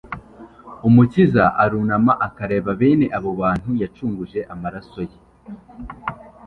Umukiza arunama akareba bene abo bantu yacunguje amaraso ye